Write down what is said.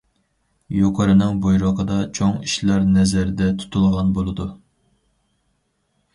يۇقىرىنىڭ بۇيرۇقىدا چوڭ ئىشلار نەزەردە تۇتۇلغان بولىدۇ.